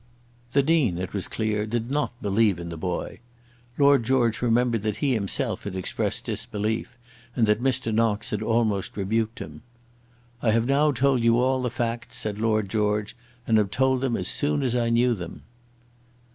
The Dean, it was clear, did not believe in the boy. Lord George remembered that he himself had expressed disbelief, and that Mr. Knox had almost rebuked him. "I have now told you all the facts," said Lord George, "and have told them as soon as I knew them."